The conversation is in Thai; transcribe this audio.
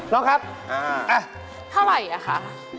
ตกหัวเขาค่ะ